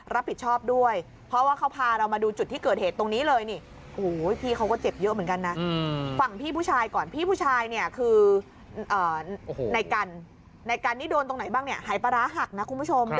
รับผิดชอบด้วยเพราะว่าเขาพาเรามาดูจุดที่เกิดเหตุ